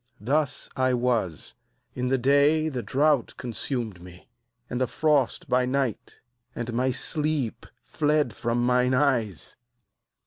40Thus I was : in the day the drought consumed me, and the frost by night; and my sleep fled from mine eyes.